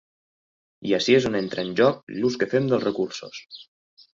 I ací és on entra en joc l’ús que fem dels recursos.